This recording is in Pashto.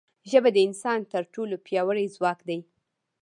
ژبه د انسان تر ټولو پیاوړی ځواک دی